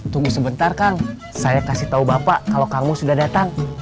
tunggu sebentar kang saya kasih tahu bapak kalau kamu sudah datang